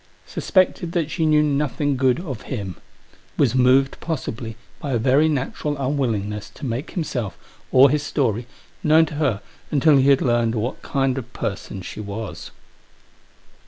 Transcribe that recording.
Suspected that she knew nothing good of him. Was moved, possibly, by a very natural unwillingness to make himself, or his story, known to her until he had learned what kind of person she was.